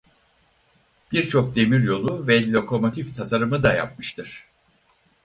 Birçok demiryolu ve lokomotif tasarımı da yapmıştır.